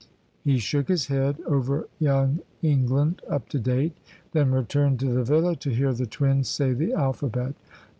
He shook his head over young England up to date; then returned to the villa to hear the twins say the alphabet.